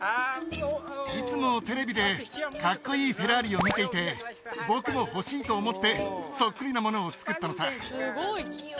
いつもテレビでかっこいいフェラーリを見ていて僕も欲しいと思ってそっくりなものを作ったのさ